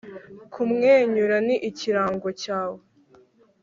kumwenyura ni ikirango cyawe